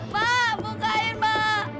mak bukain mak